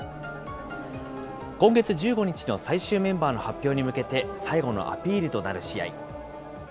今月１５日の最終メンバーの発表に向けて、最後のアピールとなる試合。